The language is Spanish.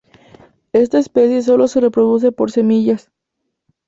Esta especie solo se reproduce por semillas.